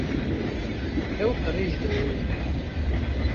Ew qirêj dixuye.